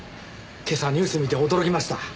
今朝ニュース見て驚きました。